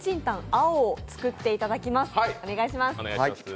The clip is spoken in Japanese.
青を作っていただきます。